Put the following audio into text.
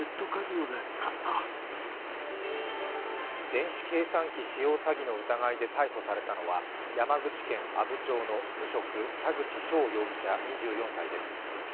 電子計算機使用詐欺の疑いで逮捕されたのは山口県阿武町の無職・田口翔容疑者２４歳です。